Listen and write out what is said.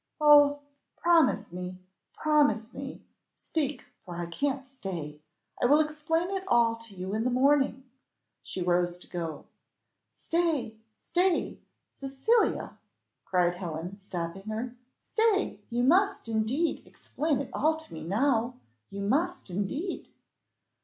"Oh, promise me, promise me, speak, for I can't stay. I will explain it all to you in the morning." She rose to go. "Stay, stay! Cecilia," cried Helen, stopping her; "stay! you must, indeed, explain it all to me now you must indeed!"